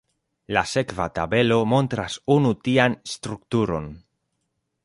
La sekva tabelo montras unu tian strukturon.